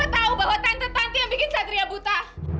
saya tahu kalau bapak tahu bahwa tante tanti yang bikin sadria buta